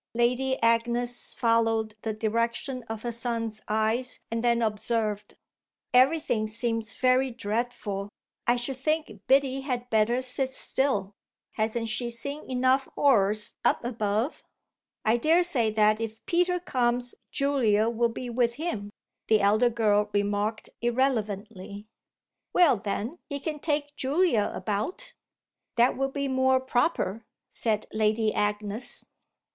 Lady Agnes followed the direction of her son's eyes and then observed: "Everything seems very dreadful. I should think Biddy had better sit still. Hasn't she seen enough horrors up above?" "I daresay that if Peter comes Julia'll be with him," the elder girl remarked irrelevantly. "Well then he can take Julia about. That will be more proper," said Lady Agnes.